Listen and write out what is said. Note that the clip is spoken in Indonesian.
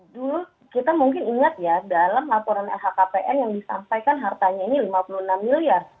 dulu kita mungkin ingat ya dalam laporan lhkpn yang disampaikan hartanya ini lima puluh enam miliar